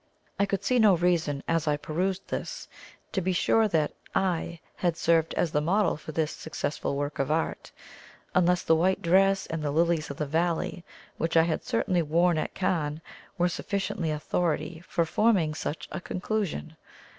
I could see no reason, as I perused this, to be sure that I had served as the model for this successful work of art, unless the white dress and the lilies of the valley, which I had certainly worn at Cannes, were sufficient authority for forming such a conclusion.